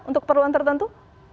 untuk keperluan tertentu